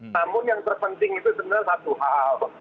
namun yang terpenting itu sebenarnya satu hal